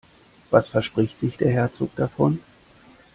Was verspricht sich der Herzog davon?